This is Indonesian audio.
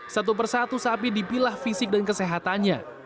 satu persatu sapi dipilah fisik dan kesehatannya